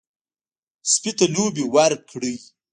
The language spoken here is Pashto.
سپي ته لوبې ورکړئ.